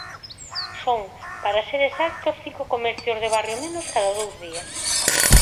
Son, para ser exactos, cinco comercios de barrio menos cada dous días.